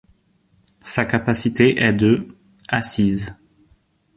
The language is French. Sa capacité est de assises.